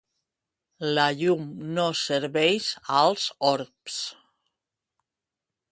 La llum no serveix als orbs.